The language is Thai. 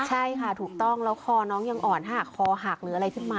ใช่ค่ะถูกต้องแล้วคอน้องยังอ่อนถ้าหากคอหักหรืออะไรขึ้นมา